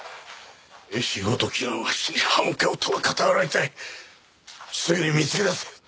絵師ごときがわしに歯向かうとは片腹痛いすぐに見つけ出せ！